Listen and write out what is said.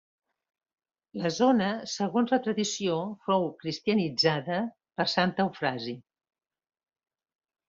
La zona segons la tradició fou cristianitzada per Sant Eufrasi.